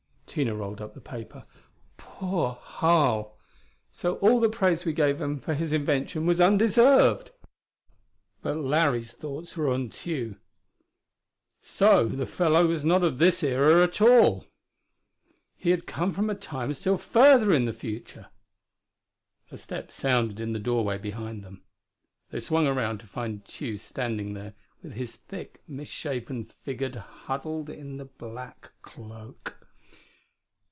Harl." Tina rolled up the paper. "Poor Harl! So all the praise we gave him for his invention was undeserved!" But Larry's thoughts were on Tugh. So the fellow was not of this era at all! He had come from a Time still further in the future! A step sounded in the doorway behind them. They swung around to find Tugh standing there, with his thick misshapen figured huddled in the black cloak.